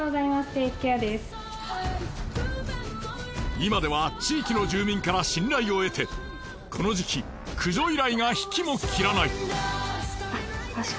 今では地域の住民から信頼を得てこの時期駆除依頼が引きも切らない。